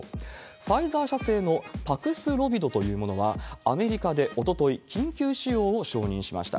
ファイザー社製のパクスロビドというものは、アメリカでおととい、緊急使用を承認しました。